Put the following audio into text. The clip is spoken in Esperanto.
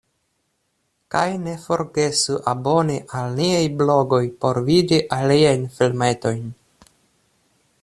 Kaj ne forgesu aboni al niaj blogoj por vidi aliajn filmetojn!